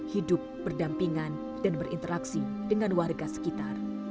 hidup berdampingan dan berinteraksi dengan warga sekitar